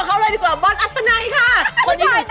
อุ๊ยดีมาก